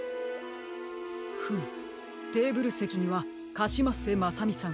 フムテーブルせきにはカシマッセまさみさん